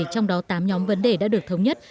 trong đó tám nhóm vấn đề đã được thống nhất